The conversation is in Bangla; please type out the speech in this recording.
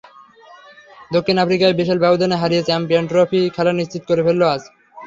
দক্ষিণ আফ্রিকাকে বিশাল ব্যবধানে হারিয়ে চ্যাম্পিয়নস ট্রফি খেলা নিশ্চিত করে ফেলল আজ।